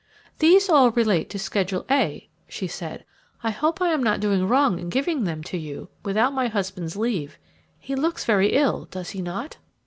"These all relate to Schedule A," she said. "I hope I am not doing wrong in giving them to you without my husband's leave. He looks very ill, does he not?"